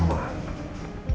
gimana mau tenang ma